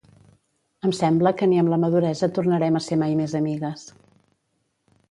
Em sembla que ni amb la maduresa tornarem a ser mai més amigues